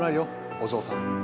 お嬢さん。